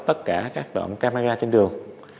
tất cả các camera trên đường